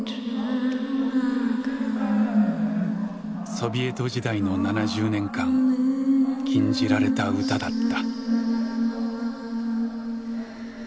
ソビエト時代の７０年間「禁じられた歌」だった。